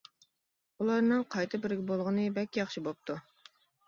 ئۇلارنىڭ قايتا بىرگە بولغىنى بەك ياخشى بوپتۇ.